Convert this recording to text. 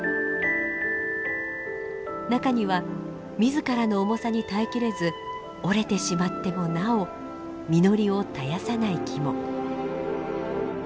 中には自らの重さに耐えきれず折れてしまってもなお実りを絶やさない木も。